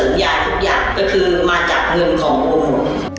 ก็คือมาจากเงินของผม